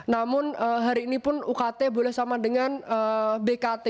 namun hari ini pun ukt boleh sama dengan bkt